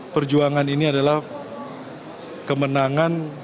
perjuangan ini adalah kemenangan